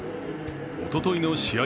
おとといの試合